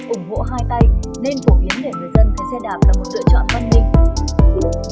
ủng hộ hai tay nên phổ biến để người dân thấy xe đạp là một lựa chọn văn minh